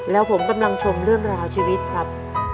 แล้วผมกำลังชมเรื่องราวชีวิตครับ